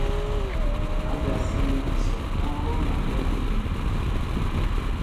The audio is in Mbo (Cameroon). Ádyasíní asɔŋ á hɔ́ɔ́ŋ a bɛ́ á m̀mɛtə̂.